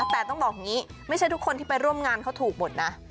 แต่ต้องบอกอย่างนี้ไม่ใช่ทุกคนที่ไปร่วมงานเขาถูกหมดนะ